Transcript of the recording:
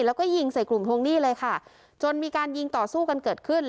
แล้วก็ยิงใส่กลุ่มทวงหนี้เลยค่ะจนมีการยิงต่อสู้กันเกิดขึ้น